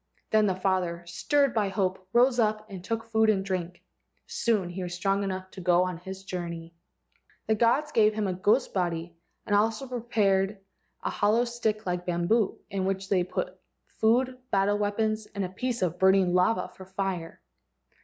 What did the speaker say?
Then the father, stirred by hope, rose up and took food and drink. Soon he was strong enough to go on his journey. * Piper methysticum. i8 LEGENDS OF GHOSTS The gods gave him a ghost body and also prepared a hollow stick like bamboo, in which they put food, battle weapons, and a piece of burning lava for fire.